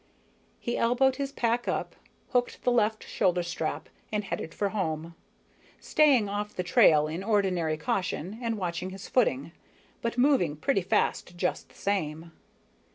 He elbowed his pack up, hooked the left shoulder strap, and headed for home, staying off the trail in ordinary caution and watching his footing, but moving pretty fast just the same.